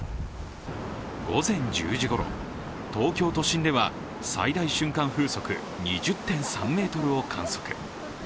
午前１０時ごろ、東京都心では最大瞬間風速２０．３メートルを観測。